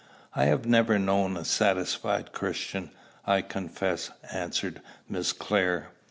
"I have never known a satisfied Christian, I confess," answered Miss Clare.